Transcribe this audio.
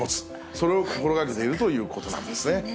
それを心がけているということなんですね。